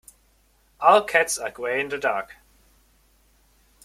All cats are grey in the dark.